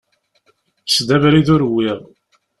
Kkes-d abrid ur wwiɣ.